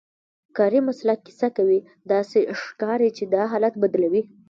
کاري مسلک کیسه کوي، داسې ښکاري چې دا حالت بدلوي.